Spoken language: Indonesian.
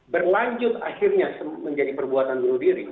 berlanjut akhirnya menjadi perbuatan bunuh diri